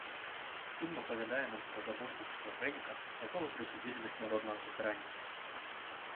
Фільм апавядае нам пра забойцу-шызафрэніка, якога прысудзілі да смяротнага пакарання.